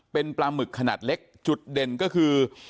เป็นปลาหมึกขนาดเล็กจุดเด่นก็คือ